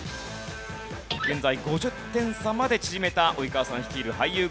現在５０点差まで縮めた及川さん率いる俳優軍。